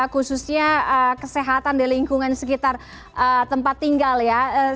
khususnya kesehatan di lingkungan sekitar tempat tinggal ya